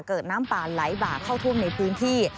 น้ำป่าไหลบ่าเข้าท่วมในพื้นที่